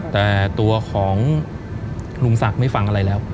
แต่ตัวของลุงศักดิ์ไม่ฟังอะไรแล้ว